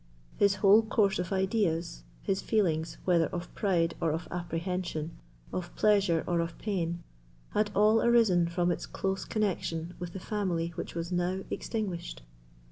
His whole course of ideas, his feelings, whether of pride or of apprehension, of pleasure or of pain, had all arisen from its close connexion with the family which was now extinguished.